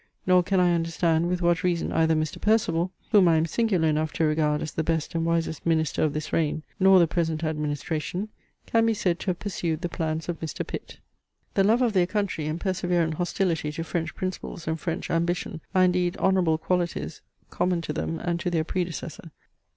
Nor can I understand, with what reason either Mr. Perceval, (whom I am singular enough to regard as the best and wisest minister of this reign,) nor the present Administration, can be said to have pursued the plans of Mr. Pitt. The love of their country, and perseverant hostility to French principles and French ambition are indeed honourable qualities common to them and to their predecessor.